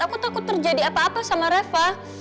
aku takut terjadi apa apa sama rafa